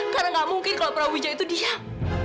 karena nggak mungkin kalau prabu jaya itu diam